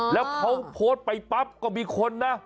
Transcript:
แล้วเขาโพสต์ไปปั๊บก็มีคนนะ